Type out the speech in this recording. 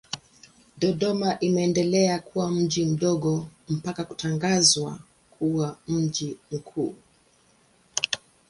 Dodoma imeendelea kuwa mji mdogo mpaka kutangazwa kuwa mji mkuu.